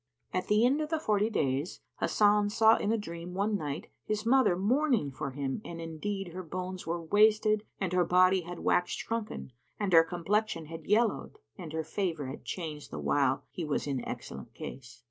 At the end of the forty days, Hasan saw in a dream, one night, his mother mourning for him and indeed her bones were wasted and her body had waxed shrunken and her complexion had yellowed and her favour had changed the while he was in excellent case.